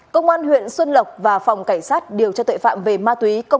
công an huyện xuân lộc và phòng cảnh sát điều tra tội phạm về ma túy